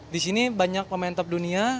disini banyak pemain top dunia